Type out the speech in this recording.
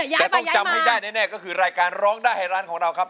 แต่ต้องจำให้ได้แน่ก็คือรายการร้องได้ให้ร้านของเราครับ